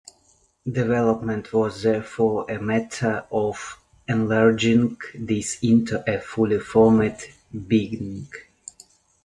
Development was therefore a matter of enlarging this into a fully formed being.